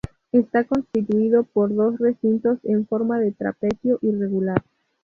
Está constituido por dos recintos en forma de trapecio irregular.